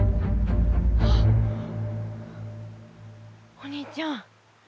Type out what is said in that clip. お兄ちゃん。